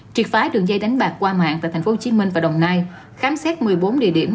triệt phá đường dây đánh bạc qua mạng tại tp hcm và đồng nai khám xét một mươi bốn địa điểm